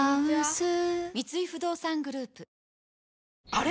あれ？